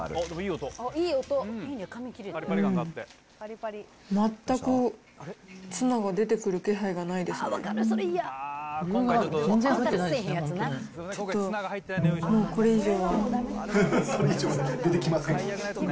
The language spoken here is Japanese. うん、全くツナが出てくる気配がないですね。